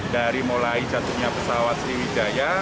dari mulai jatuhnya pesawat sriwijaya